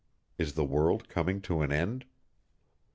Is the world coming to an end?